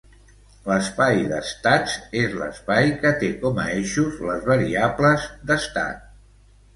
L'espai d'estats és l'espai que té com a eixos les variables d'estat.